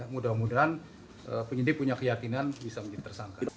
mudah mudahan penyidik punya keyakinan bisa menjadi tersangka